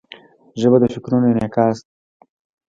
ژبه د فکرونو انعکاس ده.